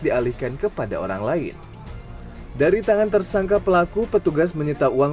dialihkan kepada orang lain dari tangan tersangka pelaku petugas menyita uang